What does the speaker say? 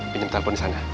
pinjem telpon disana yuk